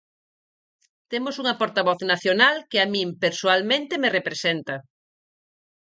Temos unha portavoz nacional que a min persoalmente me representa.